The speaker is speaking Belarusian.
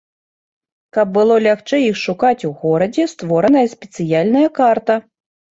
Каб было лягчэй іх шукаць у горадзе, створаная спецыяльная карта.